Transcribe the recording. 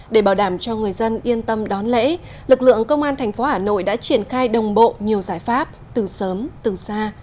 để bảo đảm cho người dân yên tâm đón lễ lực lượng công an thành phố hà nội đã triển khai đồng bộ nhiều giải pháp từ sớm từ xa